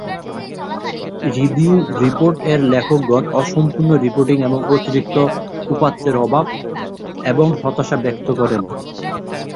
Review report এর লেখকগণ অসম্পূর্ণ রিপোর্টিং এবং অতিরিক্ত উপাত্তের অভাব এবং হতাশা ব্যক্ত করেন।